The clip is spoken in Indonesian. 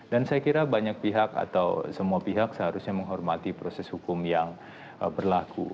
dan saya kira banyak pihak atau semua pihak seharusnya menghormati proses hukum yang berlaku